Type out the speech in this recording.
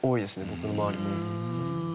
僕の周りも。